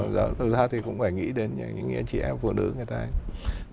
thực ra thì cũng phải nghĩ đến những chị em phụ nữ người ta hay không